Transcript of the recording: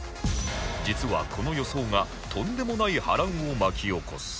実はこの予想がとんでもない波乱を巻き起こす